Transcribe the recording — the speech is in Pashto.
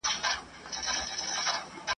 وایه مُلاجانه له پېریان سره به څه کوو ..